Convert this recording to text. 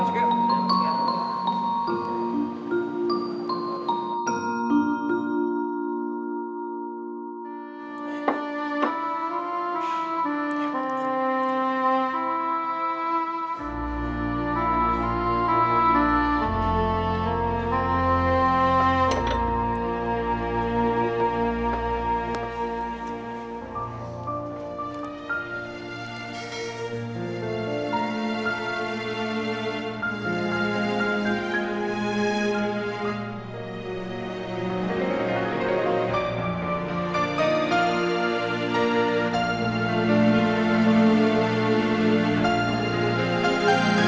terima kasih dok